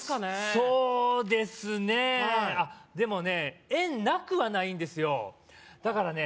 そうですねあっでもね縁なくはないんですよだからね